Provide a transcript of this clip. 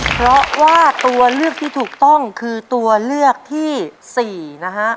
เพราะว่าตัวเลือกที่ถูกต้องคือตัวเลือกที่๔นะฮะ